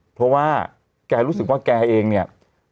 เพราะว่าแกรู้สึกว่าแกเองเนี่ย